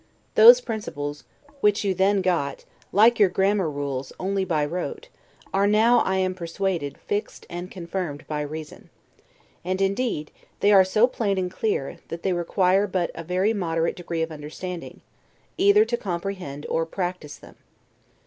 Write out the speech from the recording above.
Those principles, which you then got, like your grammar rules, only by rote, are now, I am persuaded, fixed and confirmed by reason. And indeed they are so plain and clear, that they require but a very moderate degree of understanding, either to comprehend or practice them.